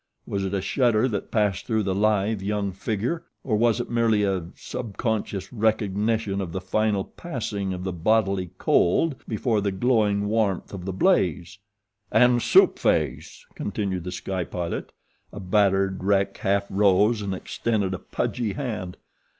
Was it a shudder that passed through the lithe, young figure or was it merely a subconscious recognition of the final passing of the bodily cold before the glowing warmth of the blaze? "And Soup Face," continued The Sky Pilot. A battered wreck half rose and extended a pudgy hand.